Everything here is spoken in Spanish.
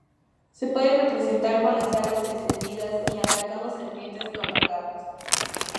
Se suele representar con las alas extendidas y atacando serpientes con las garras.